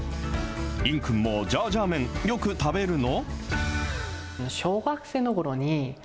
いんくんもジャージャー麺、よく食べるの？